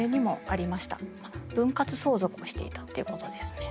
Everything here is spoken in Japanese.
分割相続をしていたっていうことですね。